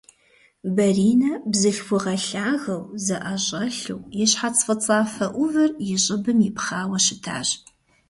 Баринэ бзылъхугъэ лъагэу, зэӀэщӀэлъу, и щхьэц фӀыцӀафэ Ӏувыр и щӀыбым ипхъауэ щытащ.